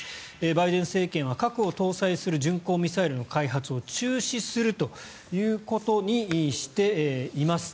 バイデン政権は核を搭載する巡航ミサイルの開発を中止するということにしています。